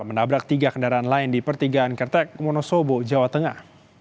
menabrak tiga kendaraan lain di pertigaan kertek wonosobo jawa tengah